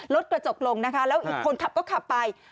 รถกระจกลงนะคะแล้วอีกคนขับก็ขับไป